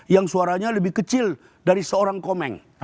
yang suaranya lebih kecil dari seorang komeng